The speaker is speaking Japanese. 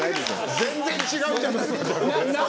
全然違うじゃないすか。